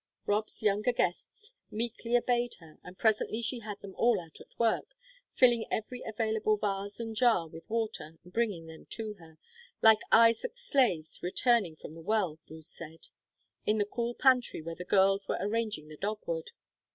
Rob's younger guests meekly obeyed her, and presently she had them all at work, filling every available vase and jar with water, and bringing them to her "like Isaac's slaves returning from the well," Bruce said in the cool pantry where the girls were arranging the dogwood.